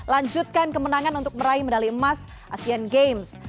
lanjutkan kemenangan untuk meraih medali emas asian games